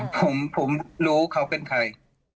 ผมรู้เขาเป็นใคร